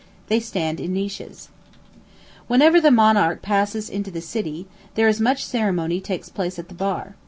They stand in niches. Whenever the monarch passes into the city, there is much ceremony takes place at the bar.